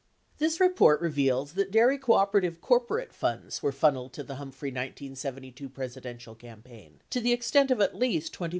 This report reveals that dairy cooperative corporate funds were funneled to the Humphrey 1972 Presidential campaign to the extent of at least $25,000.